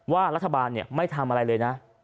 ว่ารัฐบาลไม่ทำอะไรเลยนะ